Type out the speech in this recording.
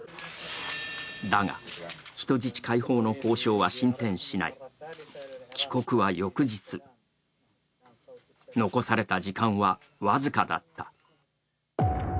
だが、人質解放の交渉は進展しない帰国は翌日、残された時間は僅かだった。